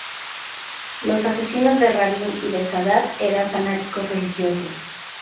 Los asesinos de Rabin y de Sadat eran fanáticos religiosos.